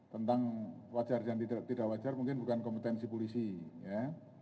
tentang wajar dan tidak wajar mungkin bukan kompetensi polisi ya